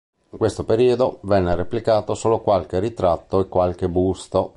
In questo periodo venne replicato solo qualche ritratto e qualche busto.